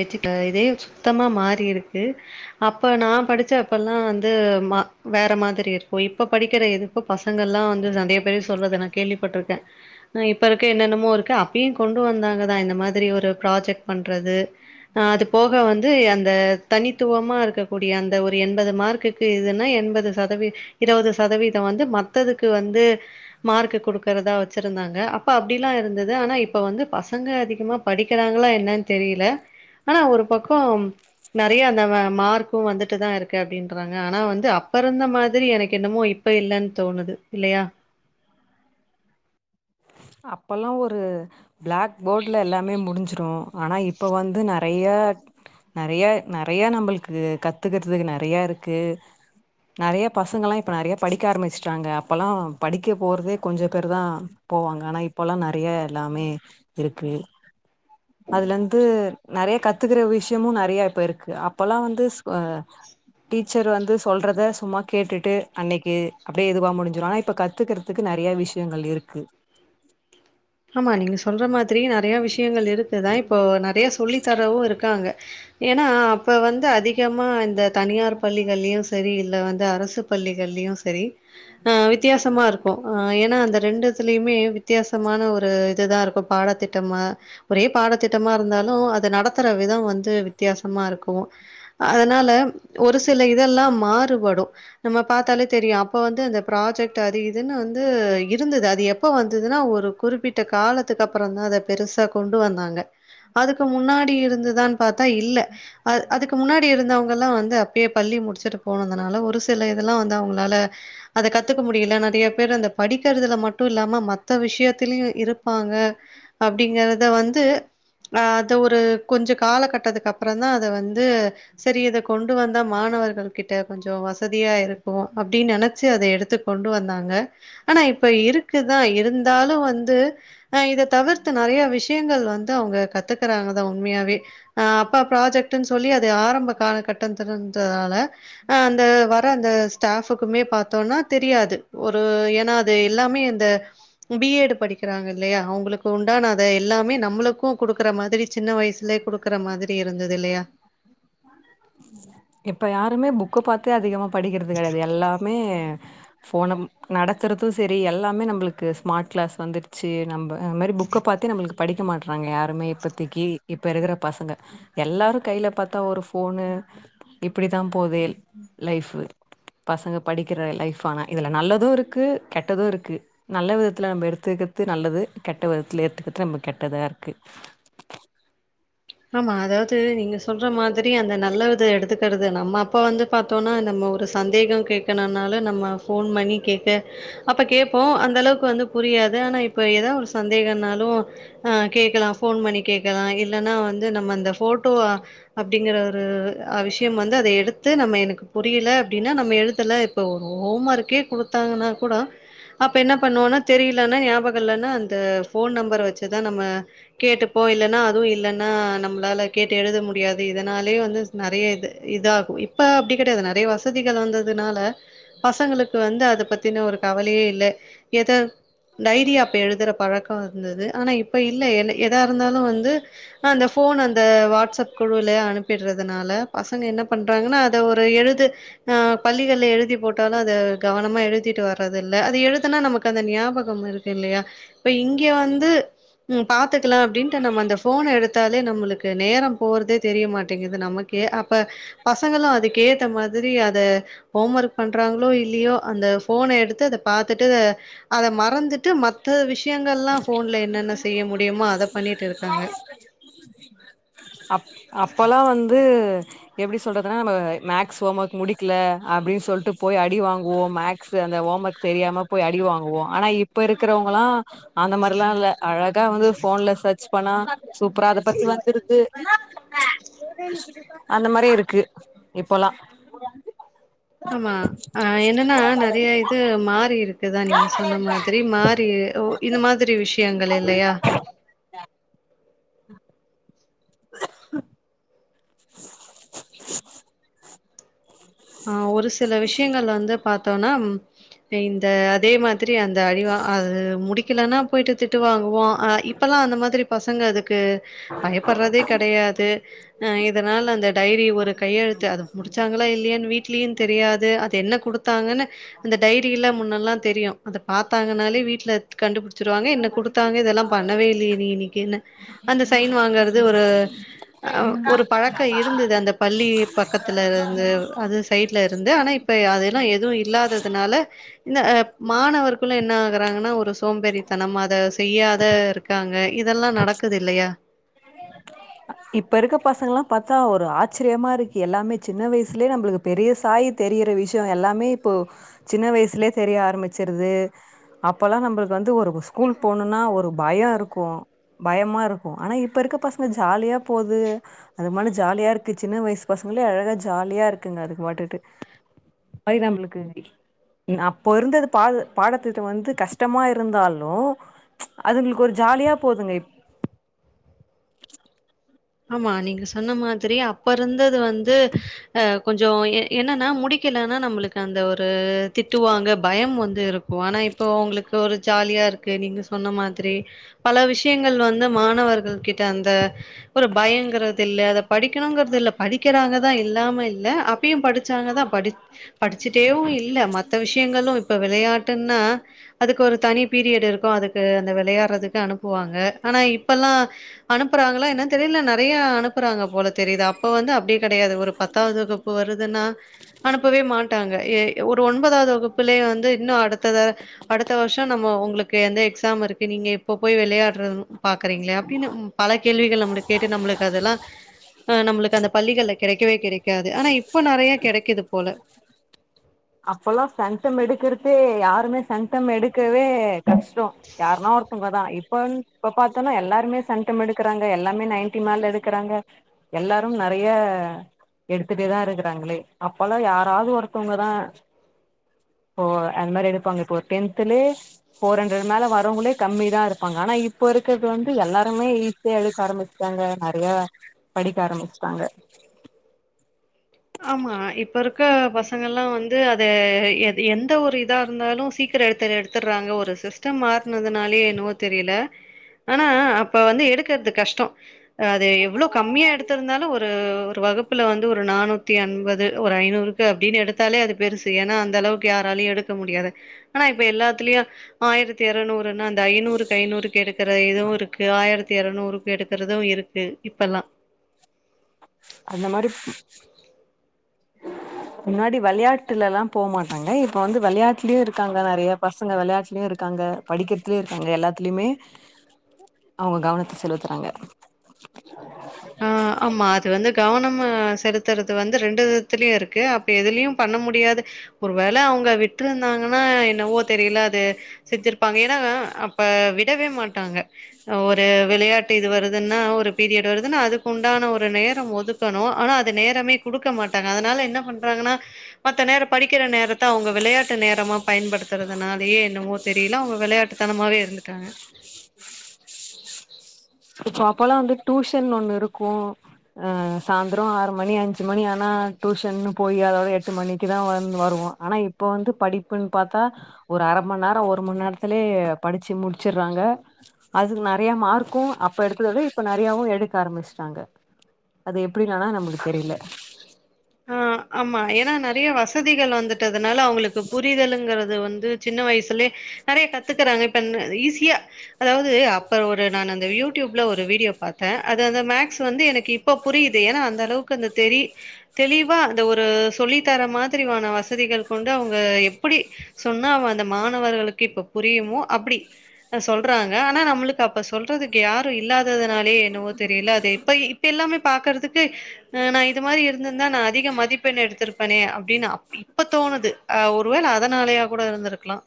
edge இதே சுத்தமா மாறி இருக்கு அப்ப நா படிச்ச இப்பல்லா வந்து வேற மாதிரி இருக்கு இப்ப படிக்கிற இதுப்ப பசங்கள் எல்லா வந்து நிறைய பேர் சொல்றது என கேள்விப்பட்டிருக்கே இப்போ இருக்க என்னென்னமோ இருக்கு அப்பயு கொண்டு வந்தாங்க தா இந்த மாதிரி ஒரு ப்ராஜெட் பண்றது ஆ அது போக வந்து அந்த தனித்துவமா இருக்கக்கூடிய அந்த ஒரு எண்பது மார்க்கு க்கு இதுன்னா எண்பது சதவீத இருபது சதவீதோ வந்து மத்ததுக்கு வந்து மார்க்க குடுக்கறதா வச்சிருந்தாங்க அப்ப அப்டியலா இருந்தது ஆனா இப்ப வந்து பசங்க அதிகமா படிக்கிறாங்களா என்னன்னு தெரியல ஆனா ஒரு பக்கோ நிறைய அந்த மார்க்கு வந்துட்டு தா இருக்கு அப்டின்றாங்க ஆனா வந்து அப்ப இருந்த மாதிரி எனக்கு என்னமோ இப்ப இல்லன்னு தோணுது இல்லையா அப்போல்லா ஒரு பிளாக் போர்டுல எல்லாமே முடிஞ்சிடு ஆனா இப் இப்போ வந்து நெறையா நறையா நறையா நம்மளுக்கு கத்துக்கறதுக்கு நறையா இருக்கு நறையா பசங்க எல்லா இப்ப நறையா படிக்க ஆரம்பிச்சுட்டாங்க அப்பல்லா படிக்க போறதே கொஞ்சோ பேரு தா போவாங்க ஆனா இப்பல்லா நெறைய எல்லாமே இருக்கு அதுலந்து நெறைய கத்துக்கிற விஷ் யமு நெறைய இப்ப இருக்கு அப்பல்லா வந்து டீச்சர் வந்து சொல்றத சும்மா கேட்டுட்டு அன்னைக்கு அப்டியே இதுவா முடிஞ்சிரு ஆனா இப்ப கத்துக்கிற் துக்கு நெறைய விஷ்யங்கள் இருக்கு ஆமா நீங்க சொல்ற மாதிரி நெறையா விஷயங்கள் இருக்கு தா இப்போ நெறையா சொல்லி தரவு இருக்காங்க ஏனா அப்ப வந்து அதிகமா இந்த தனியார் பள்ளிகள்லயு சரி இல்ல வந்து அர சு பள்ளிகள்லயு சரி ஆ வித்தியாசமா இருக்கு ஆ ஏனா அந்த ரெண்டுத்துலிமே வித்தியாசமான ஒ ரு இதுதா இருக்கு பாடத்திட்டமா ஒரே பாடத்திட்டமா இர்ந்தாலு அத நடத்துற விதோ வந்து வித்யாசமா இருக்கு அதுனால ஒரு சில இதெல்லா மாறுபடு நம்ம பாத்தாலே தெரியு அப்போ வந்து அந்த ப்ராஜெக்ட் அது இதுன்னு வந்து இருந்துது அது எப் ப வந்துதுன்னா ஒரு குறிப்பிட்ட காலத்துக்கப்பறந்தா அத பெருசா கொண்டு வந்தாங்க அதுக்கு முன்னாடி இருந்துதான் பாத்தா இல்ல அத் அதுக்கு முன்னாடி இருந்தவங்கல்லா வந்து அ ப்பயே பள்ளி முடிச்சிட்டு போனதுனால ஒரு சில இதெல்லா வந்து அவுங்ளால அத கத்துக்க முடியில நெறைய பேர் அந்த படிக்கிறதுல மட்டு இல்லாம மத்த விஷ்யத்திலயு இருப்பாங்க அப்டிங்கிறத வந்து ஆ அத ஒரு கொஞ்ச காலக்கட்டதுக்கப்பறந்தா அத வந்து செரி இத கொண்டு வந்தா மாணவர்கள் கிட்ட கொஞ்சோ வசதியா இருக்கு அப்டின் நெனச்சு அத எடுத்து கொண்டு வந்தாங்க ஆனா இப்ப இருக்குதா இருந்தாலு வந்து ஆ இத தவிர்த்து நெறைய விஷ்யங்கள் வந்து அவுங்க கத்துக்கறாங்க தா உண்மையாவே அ அப்பா ப்ராஜெக்ட்டுன் சொல்லி அது ஆரம்ப கால கட்டத்தரன்றதால ஆ அந்த வர அந்த ஸ்டாஃபுக்குமே பாத்தோன்னா தெரியாது ஒரு ஏனா அது எல்லாமே அந்த பி எடு படிக் கறாங்க இல்லயா அவுங்களுக்கு உண்டான அத எல்லாமே நம்மளுக்கு குடுக்கற மாதிரி சின்ன வய்சுலே குடு க்கற மாதிரி இருந்ததில்லயா இப்ப யாருமே புக்க பாத்தே அதிகமா படிக்கற்து கெடையாது எல்லாமே ஃபோனம் நடத்தற்து செரி எல்லாமே நம்பளுக்கு ஸ்மாட் க்ளாஸ் வந்துர்ச்சி நம்ப அது மாரி புக்க பாத்தே நம்மள்க்கு படிக்க மாட்றாங்க யாருமே இப்பத்திக்கி இப்ப இருக்கற பசங்க எல்லாரு கைல பாத்தா ஒரு ஃபோனு இப்பிடி தா போதே லைஃபு பசங்க படிக்கிற லைஃப் ஆனா இதுல நல்லது இருக்கு கெட்டது இருக்கு நல்ல விதத்துல நம்ப எடுத்துக்கிற்து நல்லது கெட்ட விதத்துல எட்த்துக்கிற்து நம்பக் கெட்டதா இருக்கு ஆமா அதாவ்து நீங்க சொல்ற மாதிரி அந்த நல்ல விதோ எடுத்துக்கறது நம்ம அப்பா வந்து பாத்தோனா நம்ம ஒரு சந்தேகம் கேக்கணுன்னாலு நம்ம ஃபோன் பண்ணி கேக்க அப்ப கேப்போ அந்தளவுக்கு வந்து புரியாது ஆனா இப்ப எதா ஒரு சந்தேகன்னாலு அ கேக்கலா ஃபோன் பண்ணி கேக்கலா இல்லன்னா வந்து நம்ம அந்த ஃபோட்டோவா அப்டிங்கற ஒரு அ விஷ்யம் வந்து அத எடுத்து நம்ம எனக்கு புரியில அப்டின்னா நம்ம எழுதல இப்ப ஒரு ஹோம் ஒர்க்கே குடுத்தாங்கனா கூட அப்ப என்ன பண்ணுவோனா தெரியிலனா ஞாபகோ இல்லன்னா அந்த ஃபோன் நம்பர் வச்சுதா நம்ம கேட்டுப்போ இல்லனா அதுவு இல்ல னா நம்ளால கேட்டு எழுத முடியாது இதனாலே வந்து நெறைய இது இதாகு இப்ப அப்டி கெடையாது நெறைய வசதிகள் வந்ததுனால பசங்களுக்கு வந்து அத பத்தின ஒரு கவலையே இல்ல எதோ டைரியா அப்ப எழுதுற பழக்கோ இருந்தது ஆனா இப்ப இல்ல என்ன எதா இருந்தாலு வந்து அந்த ஃபோனு அந்த வாட்ஸ்அப் குழுவிலயே அனுப்பிடுறதுனால பசங்க என்ன பண்றாங்கன்னா அத ஒரு எழுது னா பள்ளிகள்ல எழுதி போட்டாலு அத கவனமா எழுதிட்டு வர்றது இல்ல அத எழுதுனா நமக்கு அந்த ஞாபகம் இரு இல்லையா இப்ப இங்க வந்து ம் பாத்துக்கலா அப்டின்னுட்டு நம்ம அந்த ஃபோனை எடுத் த்தாலே நம்மளுக்கு நேரோ போறதே தெரிய மாட்டேங்குது நமக்கே அப்ப பசங்களு அதுக்கு ஏத்த மாதிரி அத ஹோம் ஒர்க் பண்றாங்களோ இல்லீயோ அந்த ஃபோன எடுத்து அத பாத்துட்டு அத மறந்துட்டு மற்ற விஷயங்கள்லா ஃபோன்ல என்னென்ன செய்ய முடியுமோ அத பண்ணிட்டு இருக்காங்க அப் அப்பல்லா வந்து எப்டி சொல்றதுனா நம்ம மேக்ஸ் ஹோம் ஒர்க் முடிக்கல அப்டின்னு சொல்ட்டு போய் அடி வாங்குவோ மேக் ஸ் அந்த ஹோம் ஒர்க் தெரியாம போய் அடிவாங்குவோ ஆன இப் இப்ப இருக்கிறவுங்காலா அந்த மாரிலா இல்ல அழகா வந்து ஃபோன்ல சர் ச்சு பண்ணா சூப்பரா அத பத்தி வந்துருது அந்த மாதிரி இருக்கு இப்போல்லா ஆமா ஆ என்னன்னா நெறைய இது மாறி இருக் இதா நீங்க சொன்ன மாதிரி மாறியே ஓ இந்த மாதிரி விஷயங்கள் இல்லையா ஆ ஒரு சில விஷயங்கள் வந்து பாத்தோ நம் இந்த அதே மா திரி அந்த அழிவா அது முடிக்கலன்னா போயிட்டு திட்டு வாங்குவோ அ இப்பெல்லா அந்த மாதிரி பசங்க அதுக்கு து பயப்படுறதே கெடையாது அ இதனால அந்த டைரி ஒரு கையெழுத்து அத முடிச்சாங்களா இல்லையான்னு வீட்லயு தெரியாது அது என்ன குடுத்தாங்கன்னு அந்த டைரியில்லா முன்னெல்லா தெரியு அத பாத்தாங்கன்னாலே வீட்ல கண்டுபிடிச்சிருவாங்க என்ன குடுத்தாங்க இதெல்லா பண்ணவே இல்லையே நீ இன்னைக்கினு அந்த சைன் வாங்காதது ஒரு அ ஒரு பழக்க இருந்தது அந்த பள்ளி பக்கத்துல இருந்து அது சைட்ல இருந்து ஆனா இப்ப அதெலா எதுவு இல்லாததுனால இந்த மாணவர்களு என்னா ஆகுறாங்கனா ஒரு சோம்பேறித்தனம் அத செய்யாத இருக் க்காங்க இதெலா நடக்குது இல்லயா இப்ப இருக்க பசங்காலா பாத்தா ஒரு ஆச்சரியமா இருக்கு எல்லாமே சின்ன வயசுலே நம்ளுக்கு பெரிய சாயி தெரிற விஷயொ எல்லாமே இப்போ சின்ன வயசுலயே தெரிய ஆரம்பிச்சிரு அப்போலா நம்மளுக்கு வந்து ஒரு ஸ்கூல் போணுனா ஒரு பயோ இருக்கு பயமாருக்கு ஆனா இப்ப இருக்க பசங்க ஜாலியா போது அது மட்டு ஜாலியாருக்கு சின்ன வயசு பசங்களே அழகா ஜாலியா இருக்குங்க அதுக்கு மட்டுட்டு வாய்தா உங்களுக்கு அப்போ இருந்தது பாது பாடத்திட்டோ வந்து கஷ்டமா இருந்தாலு அதுங்களுக்கு ஒரு ஜாலியா போதுங்க இப் ஆமா நீங்க சொன்ன மாதிரி அப்ப இருந்தது வந்து அ கொஞ்சோ என்னன்னா முடிக்கலனா நம்ளுக்கு அந்த ஒரு திட்டு வாங்க பயம் வந்து இருக்கு போ ஆனா இப்போ அவுங்களுக்கு ஒரு ஜாலியா இருக்கு நீங்க சொன்ன மாதிரி பல விஷ் ஷியங்கள் வந்து மாணவர்கள் கிட்ட அந்த ஒரு பயங்கிறது இல்ல அத படிக்கணுங்றது இல்ல படிக்கிறாங்கதா இல்லாம இல்ல அப் இப்பயு படிச்சாங்கதா படி படிச்சுட்டேவூ இல்ல மத்த விஷயங்களு இப்ப வெளையாட்டுன்னா அதுக்கு ஒரு தனி பீரியட் இருக்கு அதுக்கு அந்த வெளயாடறதுக்கு அனுப்புவாங்க ஆனா இப்பல்லா அனுப்புறாங்ளா என்னன் தெரில நெறைய அனுப் புறாங்க போல தெரியுது அப்ப வந்து அப்டி கெடையாது ஒரு பத்தாவது வகுப்பு வருதுனா அனுப்பவே மாட்டாங்க எ ஒரு ஒன்பதாவ்து வகுப்புலே வந்து இன்னு அடுத்த த அடுத்த வருஷோ நம்ம உங்குளுக்கு வந்து எக்ஸாமிருக்கு நீங்க இப்ப போய் விளயாட்றதுன் பாக்குறீங்ளே அப்டின்னு ம் பல கேள்விகள் நம்மள கேட்டு நம்ப்ளுக்கு அதெலா ஆ நம்ளுக்கு அந்த பள்ளிகள்ல கெடைக்கவே கெடைக்காது ஆனா இப்போ நெறைய கெடைக்குது போல அப்பல்லா சென்டெம் எடுக்கறதே யாருமே சென்டெம் எடுக்கவே கஷ்டோ யாருனா ஒருத்தவங்கதா இப்ப வ இப்ப பாத்தோனா எல்லாருமே செண்டெம் எடுக்றாங்க எல்லாமே நைன்டி மேல எடுக்கறாங்க எல்லாரு நெறைய எடுத்துட்டேதா இருக்கறாங்களே அப்பல்லா யாராவ்து ஒருத்தவ்ங்கதா ஓ அந்த மாரி எடுப்பாங்க இப்போ டென்த்துலே ஃபோர் ஹண்ட்ரடு மேல வரவங்களே கம்மிதா இருப்பாங்க ஆனா இப்போ இருக்கிற்து வந்து எல்லாருமே டே எடுக்க ஆரம்பிச்சுட்டாங்க நெறைய படிக்க ஆரம்பிச்சுட்டாங்க ஆமா இப்ப இருக்க பசங்கலா வந்து அத எ எந்த ஒரு இதா இருந்தாலு சீக் தர் எடுத்தத எடுத்துற்றாங்க ஒரு சிஸ்டம் மாற்னதுனாலயே என்னவோ தெரியல ஆனா அப்ப வந்து எடுக்கற்து கஷ்டோ அது எவ்ளோ கம்மியா எடுத்திருந்தாலு ஒரு ஒரு வகுப்புல வந்து ஒரு நானூ த்தி என்பது ஒரு ஐநூறுக்கு அப்டினு எடுத்தாலே அது பெருசு ஏனா அந்தளவுக்கு யாராலயு எடுக்க முடியாது ஆனா இப்ப எல்லாத்துலியு ஆயிரத்தி எரநூறுன்னா அந்த ஐநூறுக்கு ஐநூறுக்கு எடுக்குற இதுவு இருக்கு ஆயிரத்தி எரநூறுக் எடுக்கறது இருக் கு இப்பெல்லா அந்த மாரி முன்னாடி வெளையாட்டுலலா போமாட்டாங்க இப்ப வந்து வெளையாட்லியு இருக்காங்க நெறைய பசங்க வெளையாட்லியு இருக்காங்க படிக்கற்த்லியு இருக்காங்க எல்லாத்துலயுமே அவுங்க கவனத்த செலுத்துறாங்க ஆ ஆமா அது வந்து கவனமா செலுத்துறது வந்து ரெண்டு விதத்துலியு இருக்கு அப் ப எதுலியும் பண்ண முடியாது ஒரு வேல அவுங்க விட்ருந்தாங்கனா என்னவோ தெரில அது செஞ்சிருப்பாங்க ஏனா அப்ப விடவே மாட்டாங்க ஒரு விளையாட்டு இது வருதுன்னா ஒரு பீரியட் வரு துலா அதுக்கு உண்டான ஒரு நேரம் ஒதுக்கணும ஆனா அது நேரமே குடுக்க மாட்டாங்க அதனால என்ன பண்றாங்கனா மத்த நேரம் படிக்கிற நேரத்த அவுங்க விளையாட்டு நேரமா பயன்படுத்துறதுனாலயே என்னமோ தெரியல அவுங்க விளையாட்டுத்தனமாவே இருந்துட்டாங்க இப்போ அப்பல்லா வந்து டூஷன் ஒண்ணு இருக்கு அ சாந்திரோ ஆறு மணி அஞ்சு மணி ஆனா டூஷன்னு போய் அதோட எட்டு மணிக்குதா வந் வருவோ ஆனா இப்ப வந்து படிப்புன்ன பாத்தா ஒரு அர மண் நேரோ ஒரு மண் நேர்த்துலே படிச்சு முடிச்சிற்றாங்க அதுக்கு நெறைய மார்க்கு அப்ப எடுத்தத விட இப்ப நெறையவு எடுக்க ஆரம்பிஷ்ட்டாங்க அது எப்டின் ஆனா நம்மளுக்கு தெரியில ஆ ஆமா ஏனா நெறைய வசதிகள் வந்துட்டதுனால அவுங்களுக்கு புரிதலுங்கறது வந்து சின்ன வயசுலே நெறைய கத்துக்குறாங்க இப்ப ஈஸியா அதாவது அப்ப ஒரு நான் அந்த யூடியூப்ல ஒரு வீடியோ பாத்தே அது அந்த மேக்ஸ் வந்து எனக்கு இ ப்போ புரியுது ஏனா அந்த அளவுக்கு அந்த தெரி தெளிவா அந்த ஒரு சொல்லி தர மாதிரிவான வசதிகள் கொண்டு அவுங்க எப்படி சொன்னா அவ அந்த மாணவர்களுக்கு இப்ப புரியுமோ அப்படி னா சொல்றாங்க ஆனா நம்புளுக்கு அப்ப சொல் றதுக்கு யாரோ இல்லாததுனாலயோ என்னவோ தெரியுல அது இப்ப இப்ப எல்லாமே பாக்குறதுக்கு அ நா இது மாதிரி இருந்திருந்தா நா அதிக மதி ப்பெண் எடுத்திருப்பனே அப்டீன்னு அப் இப்ப தோணுது ஒருவேள அதனாலயா கூட இருந்திருக்கலா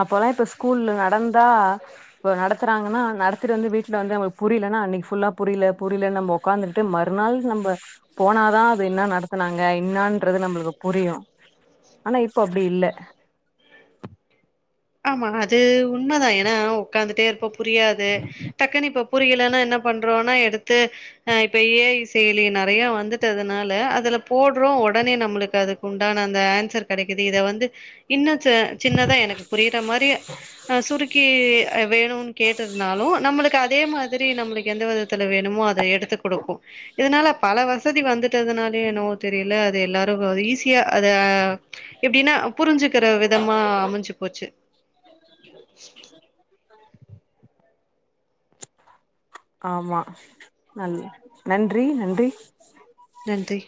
அப்பல்லா இப்ப ஸ்கூல்ல நடந்தா இப்போ நடத்துறாங்கன்னா நடத்திட்டு வந்து வீட்ல வந்து அவுங்குளுக்கு புரியலன்னா அன்னிக்கு ஃபுல்லா புரியுல புரியுல நம்போ ஒக்காந்துட்டு மறுநாள் நம்ப போனாதா அது இன்னா நடத்துனாங்க இன்னான்றது நம்புளுக்கு புரியு ஆனா இப்போ அப்டி இல்ல ஆமா அது உண்மதா ஏன்னா ஒக்காந்துட்டே இருப்போ புரியாது டக்குன்னு இப்போ புரியலைன்னா என்ன பண்றோனா எடுத்து அ இப்ப ஏ ஐ செயலி நறையா வந்துட்டதுனால அதுல போடுறோ ஒடனே நம்புளுக்கு அது உண்டான அந்த ஆன்சர் கெடைக்குது இத வந்து இன்னு சின்னதா எனக்கு புரிற மாரியே அ சுருக்கி வேணுன்னு கேட்டிருந்தாலு நம்புளுக்கு அதே மாதிரி நம்முளுக்கு எந்த வித பக்கத்துல வேணுமோ அத எடுத்து குடுக்கு இதனால பல வசதி வந்துட்டதுனாலயோ என்னவோ தெ அது எல்ல அது எல்லாரு ஈஸியா அத எப்டினா புரிஞ்சுக்கிற விதமா அமஞ்சு [inaudible] ஆமா நல் நன்றி நன்றி நன்றி